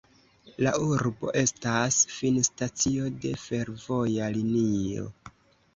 La urbo estas finstacio de fervoja linio.